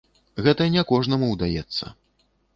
Гэта не кожнаму ўдаецца.